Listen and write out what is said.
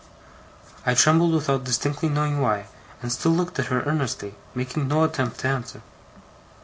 I trembled without distinctly knowing why, and still looked at her earnestly, making no attempt to answer.